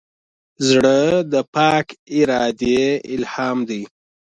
زړه د پاک ارادې الهام دی.